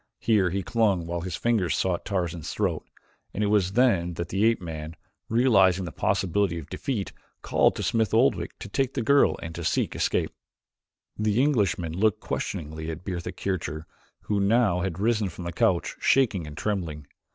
Here he clung while his fingers sought Tarzan's throat, and it was then that the ape man, realizing the possibility of defeat, called to Smith Oldwick to take the girl and seek to escape. The Englishman looked questioningly at Bertha Kircher, who had now risen from the couch, shaking and trembling.